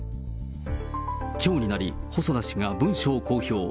きょうになり、細田氏が文書を公表。